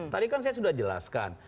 tadi kan saya sudah jelaskan